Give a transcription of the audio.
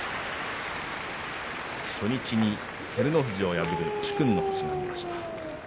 初日に照ノ富士を破る殊勲の星がありました。